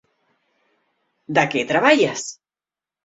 De què treballes?